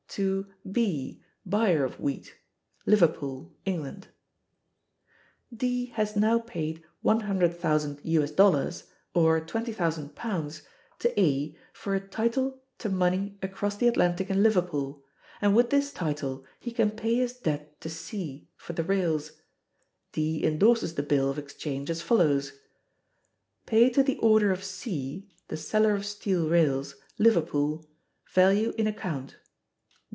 To B [buyer of wheat], Liverpool, Eng. D has now paid $100,000, or £20,000, to A for a title to money across the Atlantic in Liverpool, and with this title he can pay his debt to C for the rails. D indorses the bill of exchange, as follows: Pay to the order of C [the seller of steel rails], Liverpool, value in account.